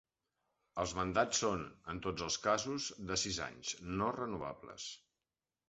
Els mandats són, en tots els casos, de sis anys, no renovables.